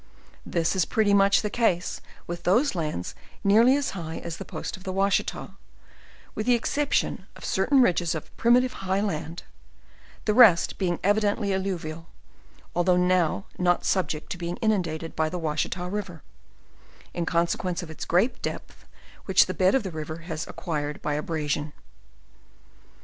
This is pretty much the* case with those lands near ly as high as the post of the Washita, with the exception of certain ridges of primitive high land; the rest' being evident ly alluvial, although not now subject to be inundated by the Washita river, in consequence of the great depth which the bed of the river has acquired by abrasion.